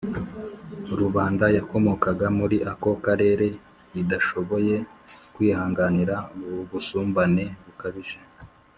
rubanda yakomokaga muri ako karere idashoboye kwihanganira ubusumbane bukabije